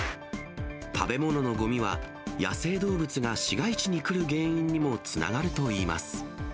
食べ物のごみは、野生動物が市街地に来る原因にもつながるといいます。